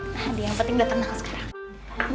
nah dia yang penting dateng nangis sekarang